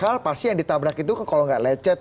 hal pasti yang ditabrak itu kalau nggak lecet